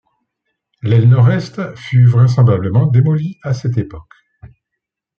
L'aile Nord-est fut vraisemblablement démolie à cette époque.